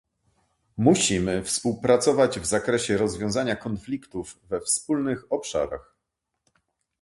Musimy współpracować w zakresie rozwiązywania konfliktów we wspólnych obszarach